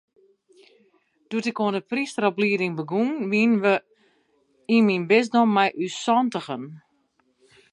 Doe't ik oan de prysteroplieding begûn, wiene we yn myn bisdom mei ús santigen.